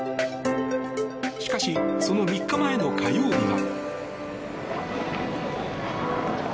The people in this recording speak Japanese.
しかしその３日前の火曜日は。